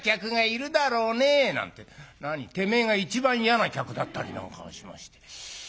何てめえが一番嫌な客だったりなんかしまして。